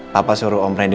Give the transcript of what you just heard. papa suruh om randy